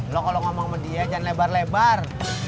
loh kalau ngomong sama dia jangan lebar lebar